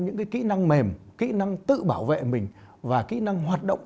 những kỹ năng mềm kỹ năng tự bảo vệ mình và kỹ năng hoạt động